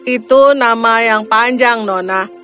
itu nama yang panjang nona